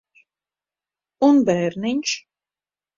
Un bērniņš?